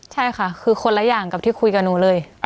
ใช่ค่ะคือคนละอย่างกับที่คุยกับหนูเลย